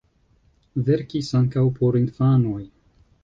Verkis ankaŭ por infanoj.